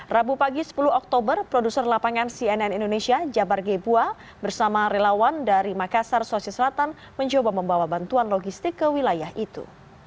rabu pagi sepuluh oktober produser lapangan cnn indonesia jabar gebua bersama relawan dari makassar sulawesi selatan mencoba membawa bantuan logistik ke wilayah itu